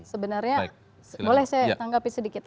sebenarnya boleh saya tanggapi sedikit